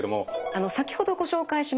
あの先ほどご紹介しました